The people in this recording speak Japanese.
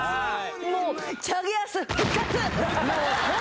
もう、チャゲアス復活。